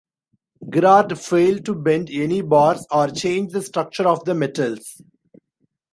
Girard failed to bend any bars or change the structure of the metals.